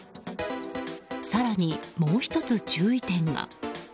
更に、もう１つ注意点が。